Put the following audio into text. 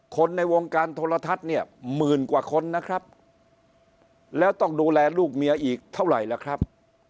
คนในวงการโทรทัศน์เนี่ยหมื่นกว่าคนนะครับแล้วต้องดูแลลูกเมียอีกเท่าไหร่ล่ะครับ